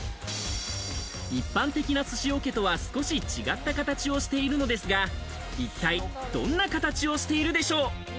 一般的な寿司桶とは少し違った形をしているのですが一体どんな形をしているでしょう？